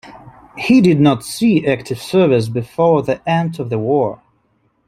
He did not see active service before the end of the war.